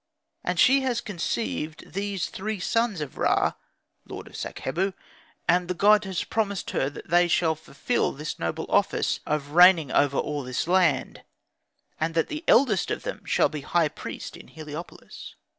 And she has conceived these three sons by Ra, lord of Sakhebu, and the god has promised her that they shall fulfil this noble office (of reigning) over all this land, and that the eldest of them shall be high priest in Heliopolis."